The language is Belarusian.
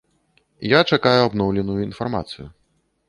Я чакаю абноўленую інфармацыю.